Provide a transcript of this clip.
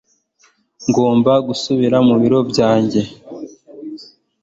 Ngomba gusubira mu biro byanjye